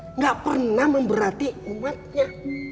enggak pernah memberhati umatnya